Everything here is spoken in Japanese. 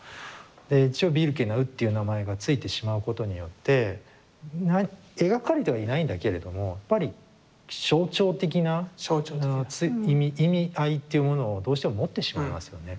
で一応「ビルケナウ」っていう名前が付いてしまうことによって描かれてはいないんだけれどもやっぱり象徴的な意味合いっていうものをどうしても持ってしまいますよね。